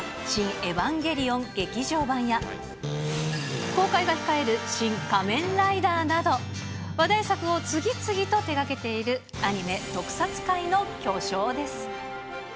エヴァンゲリオン劇場版や、公開が控えるシン・仮面ライダーなど、話題作を次々と手がけているアニメ・特撮界の巨匠です。